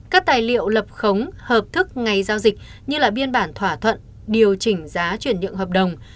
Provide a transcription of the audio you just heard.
các tài liệu lập khống hợp thức ngày giao dịch như biên bản thỏa thuận điều chỉnh giá chuyển nhượng hợp đồng